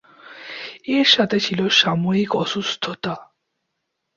এর সাথে ছিল সাময়িক অসুস্থতা।